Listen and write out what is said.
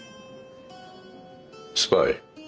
スパイ？